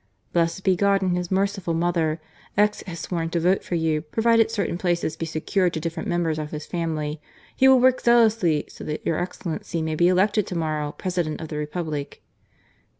"Blessed be God and His Merciful Mother! X has sworn to vote for you, provided certain places be secured to different members of his family. He will work zealously so that your excellency may be elected to morrow President of the Republic."